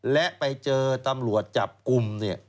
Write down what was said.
และไปเจอตำรวจจับกลุ่มเนี่ย